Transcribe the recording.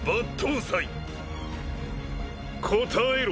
答えろ！